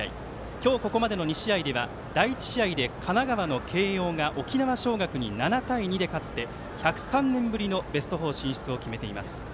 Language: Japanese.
今日ここまでの２試合では第１試合で神奈川の慶応が沖縄尚学に７対２で勝って１０３年ぶりのベスト４進出を決めています。